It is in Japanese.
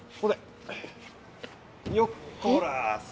よっこらせ。